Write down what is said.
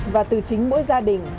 và từ chính mỗi gia đình